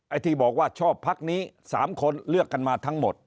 ที่บอกว่าชอบพักนี้๓คนเลือกกันมาทั้งหมด